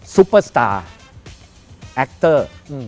ซุปเปอร์สตาร์แอคเตอร์